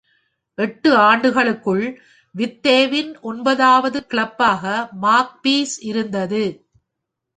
எட்டு ஆண்டுகளுக்குள் வித்தேவின் ஒன்பதாவது கிளப்பாக மாக்பீஸ் இருந்தது.